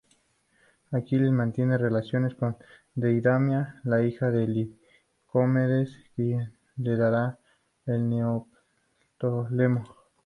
Aquiles mantiene relaciones con Deidamía, la hija de Licomedes, quien le dará a Neoptólemo.